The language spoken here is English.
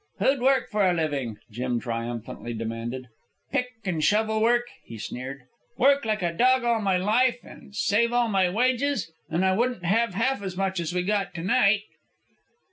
"Who'd work for a livin'?" Jim triumphantly demanded. "Pick an' shovel work!" he sneered. "Work like a dog all my life, an' save all my wages, an' I wouldn't have half as much as we got tonight."